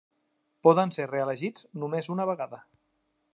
Poden ser reelegits només una vegada.